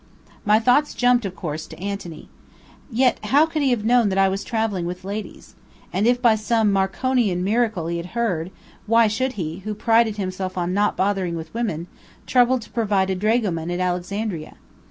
My thoughts jumped, of course, to Anthony. Yet how could he have known that I was travelling with ladies? And if by some Marconian miracle he had heard, why should he, who prided himself on "not bothering" with women, trouble to provide a dragoman at Alexandria?